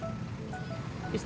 oh ini dia